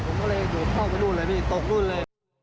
ผมก็เลยเข้าไปนู่นเลยพี่ตกนู่นเลย